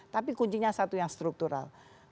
tapi kuncinya satu yang struktural